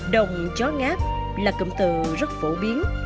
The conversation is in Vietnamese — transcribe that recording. đồng chó ngáp là cụm từ rất phổ biến